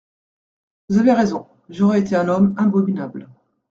Vous avez raison : j'aurais été un homme abominable.